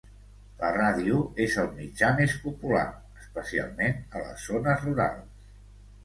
La ràdio és el mitjà més popular, especialment a les zones rurals.